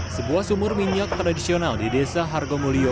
sebuah sumur minyak tradisional di desa hargomulyo